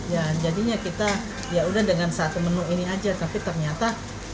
ya jadinya kita yaudah dengan satu menu ini aja tapi ternyata